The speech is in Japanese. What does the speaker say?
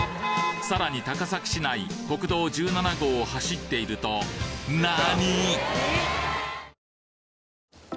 さらに高崎市内国道１７号を走っていると何！？